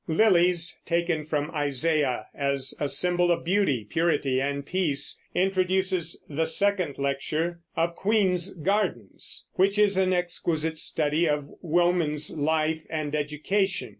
"Lilies," taken from Isaiah as a symbol of beauty, purity, and peace, introduces the second lecture, "Of Queens' Gardens," which is an exquisite study of woman's life and education.